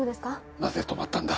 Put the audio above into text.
なぜ止まったんだ？